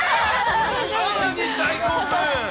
さらに大興奮。